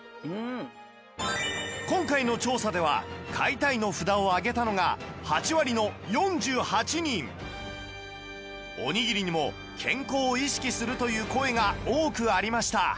今回の調査では「買いたい」の札を上げたのが８割の４８人おにぎりにも健康を意識するという声が多くありました